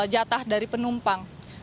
jatah dari penumpang